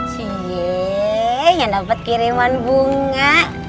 cieee yang dapat kiriman bunga